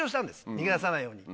逃げ出さないように。